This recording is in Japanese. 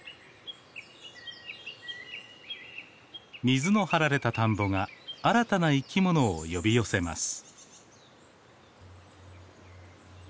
水の張られた田んぼが新たな生きものを呼び寄せます。